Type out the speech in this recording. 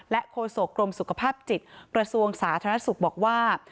โฆษกรมสุขภาพจิตกระทรวงสาธารณสุขบอกว่า